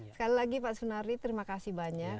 sekali lagi pak sunardi terima kasih banyak